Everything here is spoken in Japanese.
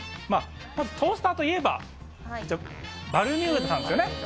まずトースターといえば、バルミューダなんですよね。